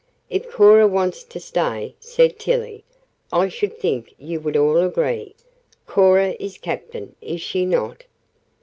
"If Cora wants to stay," said Tillie, "I should think you would all agree. Cora is captain, is she not?"